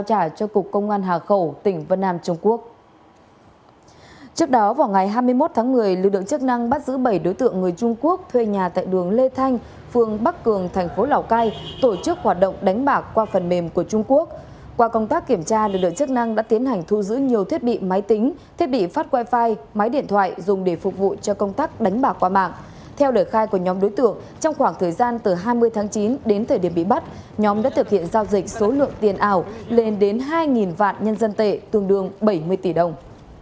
trong khoảng thời gian từ hai mươi tháng chín đến thời điểm bị bắt nhóm đã thực hiện giao dịch số lượng tiền ảo lên đến hai vạn nhân dân tệ tương đương bảy mươi tỷ đồng